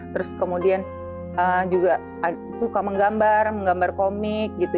terus kemudian juga suka menggambar menggambar komik gitu